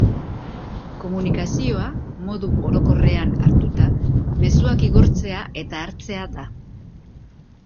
Komunikazioa, modu orokorrean hartuta, mezuak igortzea eta hartzea da.